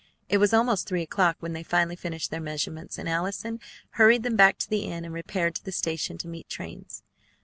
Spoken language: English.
It was almost three o'clock when they finally finished their measurements, and Allison hurried them back to the inn, and repaired to the station to meet trains.